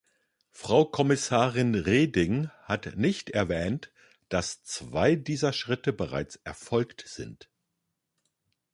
Frau Kommissarin Reding hat nicht erwähnt, dass zwei dieser Schritte bereits erfolgt sind.